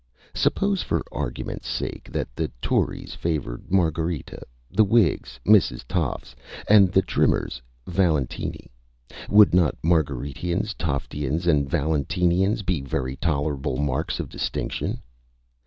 Suppose, for argument sake, that the Tories favoured Margarita, the Whigs, Mrs. Tofts, and the Trimmers, Valentini, would not Margaritians, Toftians, and Valentinians be very tolerable marks of distinction?